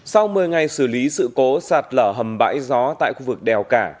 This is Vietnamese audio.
sau một mươi ngày xử lý sự cố sạt lở hầm bãi gió tại khu vực đèo cả